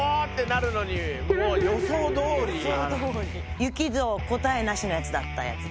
雪の答えなしのやつだったやつだ。